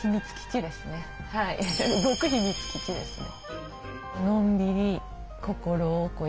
秘密基地ですね。